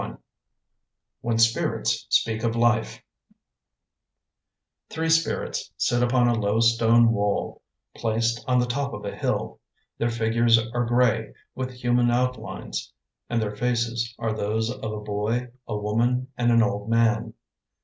WHEN SPIRITS SPEAK OF LIFE THREE spirits sit upon a low stone wall placed on the top of a kill. Their figures are gray, with human outlines, and their faces are those of a boy, a woman, and an old man.